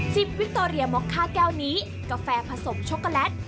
วิคโตเรียม็อกค่าแก้วนี้กาแฟผสมช็อกโกแลต